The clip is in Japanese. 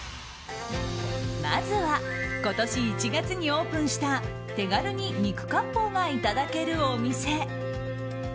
まずは、今年１月にオープンした手軽に肉割烹がいただけるお店。